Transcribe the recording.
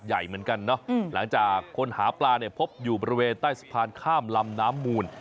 ใหญ่เหมือนกันเนอะหลังจากคนหาปลาเนี่ยพบอยู่บริเวณใต้สะพานข้ามลำน้ำมูล